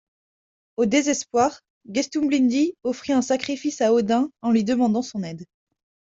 Au désespoir, Gestumblindi offrit un sacrifice à Odin en lui demandant son aide.